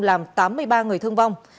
làm tám mươi ba người thương vong